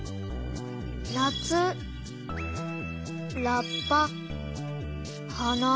なつラッパはな。